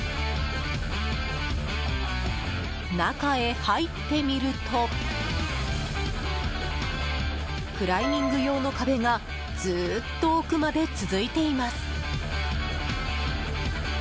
中へ入ってみるとクライミング用の壁がずっと奥まで続いています。